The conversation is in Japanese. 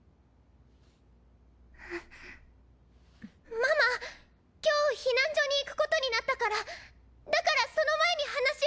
ママ今日避難所に行くことになったからだからその前に話を。